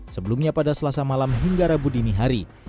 sebelumnya pada selasa malam hingga rabu dini hari